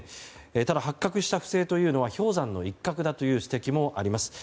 ただ、発覚した不正というのは氷山の一角だという指摘もあります。